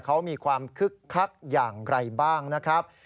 เขามีความคึกคักอย่างไรบ้างนะครับ